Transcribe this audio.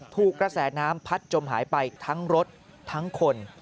ถูกกระแสน้ำพัดจมหายไปทั้งรถทั้งคน